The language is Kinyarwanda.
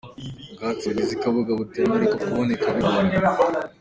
Ubwatsi bugize ikibuga ni ubuterano ariko buboneka bigoranye.